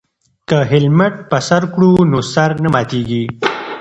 که هیلمټ په سر کړو نو سر نه ماتیږي.